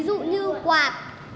ví dụ như quạt